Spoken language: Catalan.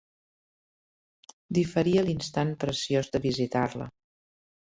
Diferia l'instant preciós de visitar-la.